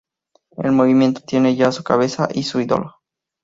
El movimiento tiene ya su cabeza y su ídolo.